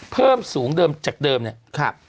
เพิ่มสูงเดิมจากเดิมเนี่ย